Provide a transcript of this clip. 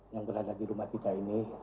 yang berada di rumah kita ini